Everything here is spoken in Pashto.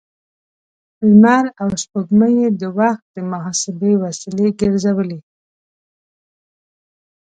لمر او سپوږمۍ يې د وخت د محاسبې وسیلې ګرځولې.